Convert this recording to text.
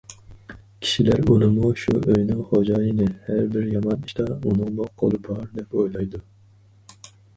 كىشىلەر ئۇنىمۇ شۇ ئۆينىڭ خوجايىنى، ھەربىر يامان ئىشتا ئۇنىڭمۇ قولى بار، دەپ ئويلايدۇ.